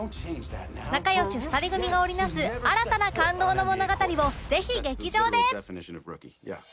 仲良し２人組が織り成す新たな感動の物語をぜひ劇場で